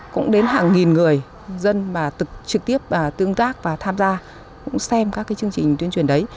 cũng đến hàng nghìn người dân mà trực tiếp tương tác và tham gia cũng xem các cái chương trình tuyên truyền đấy